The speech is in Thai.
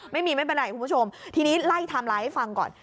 ไม่เป็นไรคุณผู้ชมทีนี้ไล่ไทม์ไลน์ให้ฟังก่อน